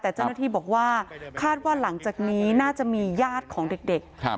แต่เจ้าหน้าที่บอกว่าคาดว่าหลังจากนี้น่าจะมีญาติของเด็ก